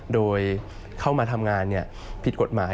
โดยเข้ามาทำงานผิดกฎหมาย